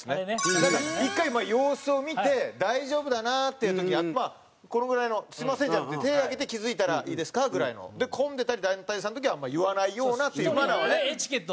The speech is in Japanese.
１回様子を見て大丈夫だなっていう時はまあこのぐらいの「すみません！」じゃなくて手を上げて気付いたら「いいですか？」ぐらいの。混んでたり団体さんの時はあんまり言わないような。エチケット。